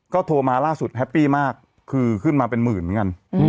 ก็โทรมาล่าสุดแฮปปี้มากคือขึ้นมาเป็นหมื่นเหมือนกัน